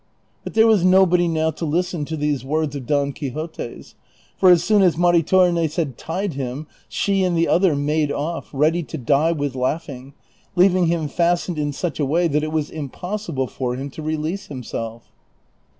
But there was nobody now to listen to these words of Don Quixote's, for as soon as Maritornes had tied him she and the other made off, ready to die with laughing, leaving him, fas tened in such a way that it was impossible for him to release himself.